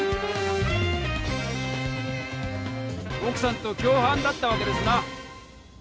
奥さんと共犯だったわけですな！